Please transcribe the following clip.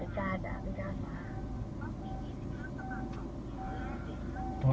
นี่ได้ดูใกล้